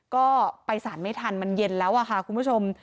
ก็ไปสารไม่ทันมันเย็นแล้วค่ะคุณผู้ชม